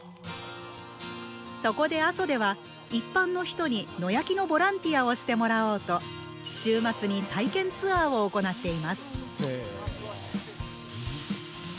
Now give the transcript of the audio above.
そこで阿蘇では、一般の人に野焼きのボランティアをしてもらおうと週末に体験ツアーを行っています。